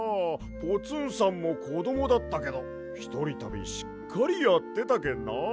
ポツンさんもこどもだったけどひとりたびしっかりやってたけんなあ。